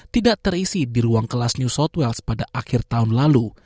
tidak terisi di ruang kelas new south wales pada akhir tahun lalu